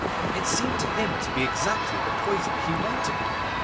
It seemed to him to be exactly the poison he wanted.